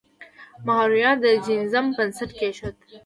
مهایورا د جینیزم بنسټ کیښود.